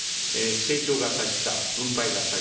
成長が先か分配が先か。